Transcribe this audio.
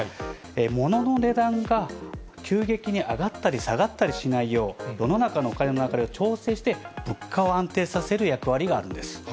ものの値段が急激に上がったり下がったりしないよう、世の中のお金の流れを調整して物価を安定させる役割があるんです。